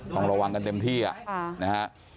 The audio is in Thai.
ต้องระวังกันเต็มที่นะฮะ